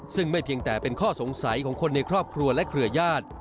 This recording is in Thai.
ซึ่งไม่เพียงแต่เป็นข้อสงสัยของคนในครอบครัวและเครือญาติ